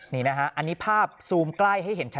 นี่นะฮะอันนี้ภาพซูมใกล้ให้เห็นชัด